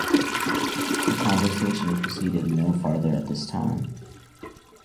The conversation proceeded no farther at this time.